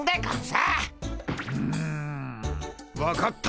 うぬ分かった。